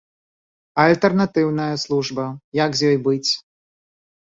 А альтэрнатыўная служба, як з ёй быць?